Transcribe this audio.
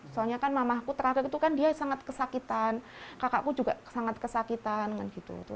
soalnya kan mamahku terakhir itu kan dia sangat kesakitan kakakku juga sangat kesakitan kan gitu